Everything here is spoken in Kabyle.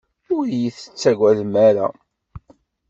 Ur iyi-tettagadem ara.